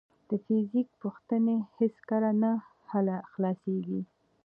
د فزیک پوښتنې هیڅکله نه خلاصېږي.